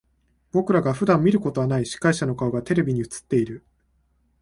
僕らが普段見ることはない司会者の顔がテレビに映っている。